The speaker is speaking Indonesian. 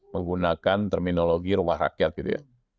menggunakan terminologi rumah rakyat gitu ya